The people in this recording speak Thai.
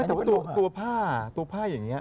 แต่ว่าตัวผ้าตัวผ้าอย่างนี้